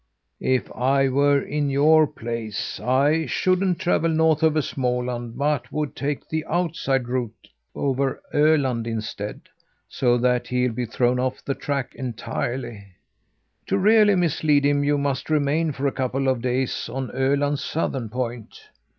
If I were in your place, I shouldn't travel north over Småland, but would take the outside route over Öland instead, so that he'll be thrown off the track entirely. To really mislead him, you must remain for a couple of days on Öland's southern point.